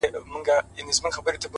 جوړ يمه گودر يم ماځيگر تر ملا تړلى يم،